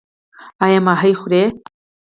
ایا ماهي خورئ؟